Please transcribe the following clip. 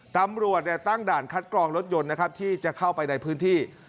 ตำรวจตั้งด่านคัดกรองรถยนต์นะครับที่จะเข้าไปในพื้นที่